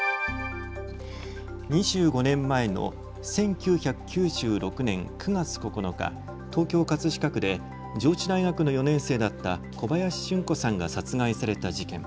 ２５年前の１９９６年９月９日、東京葛飾区で上智大学の４年生だった小林順子さんが殺害された事件。